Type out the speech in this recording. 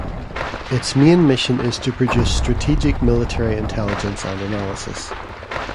Its main mission is to produce strategic military intelligence and analysis.